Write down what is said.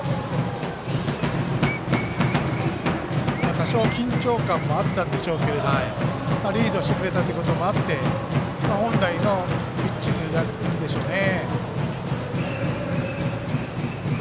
多少、緊張感もあったんでしょうけどリードしてくれたということもあって本来のピッチングなんでしょうね。